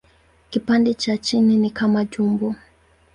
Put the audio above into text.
Kipande cha chini ni kama tumbo.